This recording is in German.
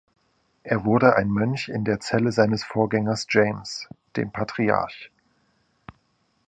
Er wurde ein Mönch in der Zelle seines Vorgängers James, dem Patriarch.